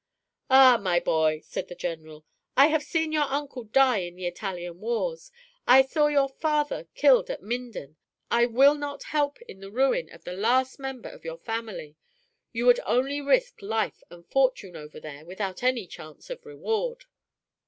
"Ah, my boy!" said the general, "I have seen your uncle die in the Italian wars. I saw your father killed at Minden. I will not help in the ruin of the last member of your family. You would only risk life and fortune over there without any chance of reward."